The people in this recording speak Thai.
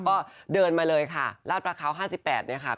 ก็เดินมาเลยค่ะลาดประเขา๕๘เนี่ยค่ะ